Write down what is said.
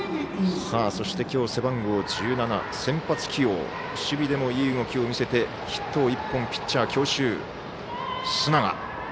そして今日、背番号１７先発起用守備でもいい動きを見せてヒットを１本ピッチャー強襲の須永。